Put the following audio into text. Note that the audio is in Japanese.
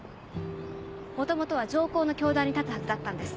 元々は常高の教壇に立つはずだったんです。